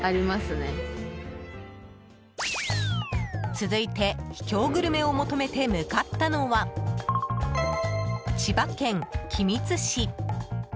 続いて、秘境グルメを求めて向かったのは千葉県君津市。